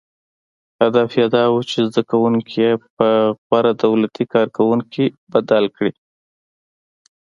• هدف یې دا و، چې زدهکوونکي یې په غوره دولتي کارکوونکو بدل کړي.